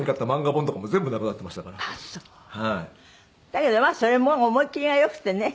だけどそれも思い切りがよくてね。